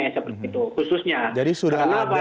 jadi sudah ada data harian yang diberikan